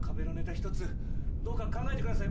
１つどうか考えてください